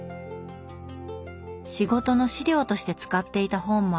仕事の資料として使っていた本もあります。